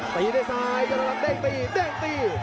ตีด้วยซ้ายจรวักเด้งตีเด้งตี